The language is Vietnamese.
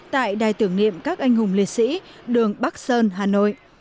tại đài tưởng niệm các anh hùng liệt sĩ đường bắc sơn hà nội